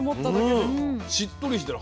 うんしっとりしてる。